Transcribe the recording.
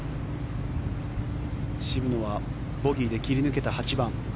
渋野はボギーで切り抜けた８番。